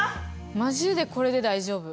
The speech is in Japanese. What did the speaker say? マジでこれで大丈夫。